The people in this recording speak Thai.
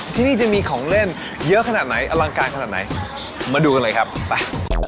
ที่นี่จะมีของเล่นเยอะขนาดไหนอลังการขนาดไหนมาดูกันเลยครับไป